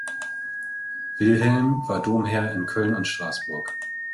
Wilhelm war Domherr in Köln und Straßburg.